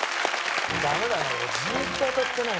ダメだな。